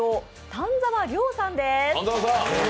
丹沢遼さんです。